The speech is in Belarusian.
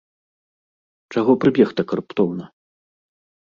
Чаго прыбег так раптоўна?